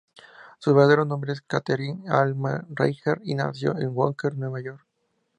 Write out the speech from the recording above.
Su verdadero nombre era Catherine Alma Reichert, y nació en Yonkers, Nueva York.